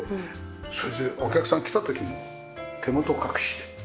それでお客さん来た時も手元隠しで。